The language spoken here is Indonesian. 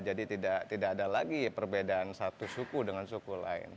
jadi tidak ada lagi perbedaan satu suku dengan suku lain